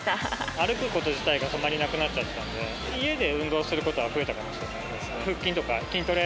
歩くこと自体がそんなになくなっちゃったので、家で運動することは増えたかもしれないですね。